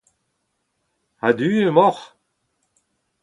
A-du emaoc'h ?